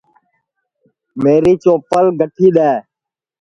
میری چوپل گٹھی دؔے